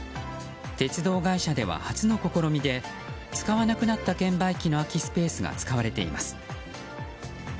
鉄道会社では初の試みで使わなくなった券売機の空きスペースが使われています。